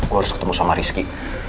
gue harus ketemu sama rizky